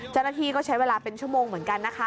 เจ้าหน้าที่ก็ใช้เวลาเป็นชั่วโมงเหมือนกันนะคะ